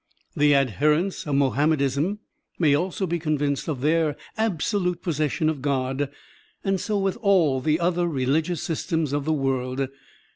The adherents of Mohammedanism may also be convinced of their absolute possession of God; and so with all the other religious sys tems of the world.